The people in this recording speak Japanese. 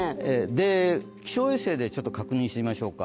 気象衛星でちょっと確認してみましょうか。